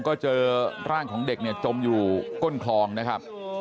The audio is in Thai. ก็เจอร่างของเด็กเนี่ยจมอยู่ก้นคลองนะครับ